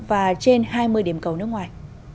và trên hai mươi điểm cầu nước ngoài